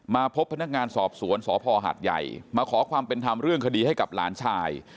มาพบพนักงานสอบสวนสพหาดใหญ่มาขอความเป็นธรรมเรื่องคดีให้กับหลานชาย